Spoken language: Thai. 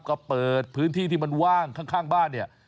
ก็เปิดพื้นที่ที่มันว่างข้างบ้านเนี่ย